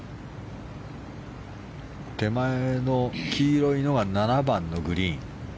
手前の黄色いのは７番のグリーン。